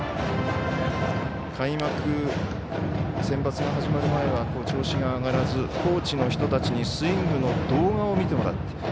センバツが始まる前は調子が上がらずコーチの人たちにスイングの動画を見てもらった。